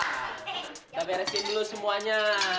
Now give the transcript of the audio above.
kita beresin dulu semuanya